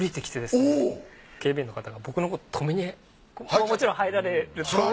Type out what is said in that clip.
警備員の方が僕のことを止めにもちろん入られると。